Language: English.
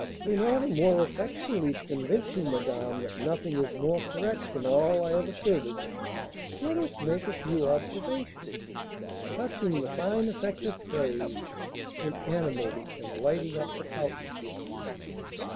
"In order more effectually to convince you, madame, that nothing is more correct than all I have asserted, let us make a few observations touching the fine effect of praise in animating and lighting up the countenance."